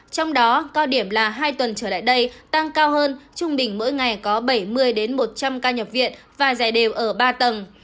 trong đó cao điểm là hai tuần trở lại đây tăng cao hơn trung bình mỗi ngày có bảy mươi một trăm linh ca nhập viện và giải đều ở ba tầng